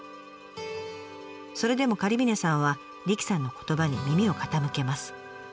それでも狩峰さんは理妃さんの言葉に耳を傾けます。